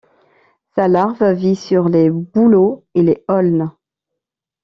Sa larve vit sur les bouleaux et les aulnes.